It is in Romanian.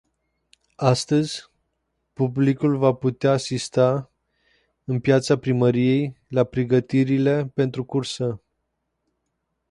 Astăzi, publicul va putea asista, în piața primăriei, la pregătirile pentru cursă.